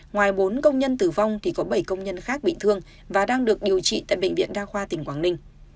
ngoài bốn công nhân tử vong thì có bảy công nhân khác bị thương và đang được điều trị tại bệnh viện đa khoa tỉnh quảng ninh